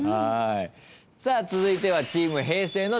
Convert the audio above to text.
さあ続いてはチーム平成の挑戦です。